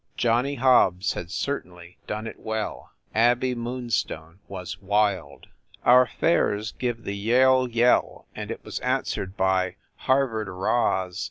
Johnny Hobbs had certainly done it well. Abey Moonstone was wild. Our fares give the Yale yell and it was answered by Harvard "Rahs